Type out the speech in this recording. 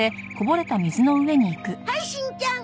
はいしんちゃん。